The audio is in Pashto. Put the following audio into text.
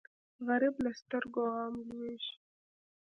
غریب له سترګو غم لوېږي